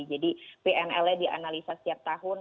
jadi pnl nya dianalisa setiap tahun